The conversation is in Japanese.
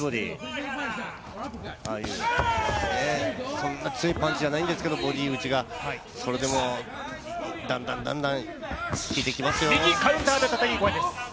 そんな強いパンチじゃないんですけど、ボディ打ちがそれでもだんだん効いてきますよ。